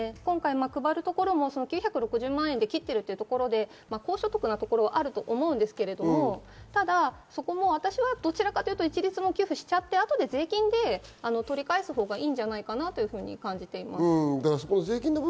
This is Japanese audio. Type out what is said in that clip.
配るところも９６０万円で切っているというところで、高所得なところでもあると思うんですけど、そこもどちらかというと一律給付して、税金で取り返すほうがいいんじゃないかなと感じています。